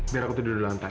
biar aku tidur di lantai